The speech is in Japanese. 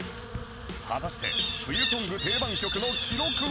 果たして冬ソング定番曲の記録は？